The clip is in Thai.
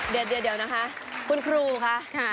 เดี๋ยวเดี๋ยวเดี๋ยวนะคะคุณครูค่ะค่ะ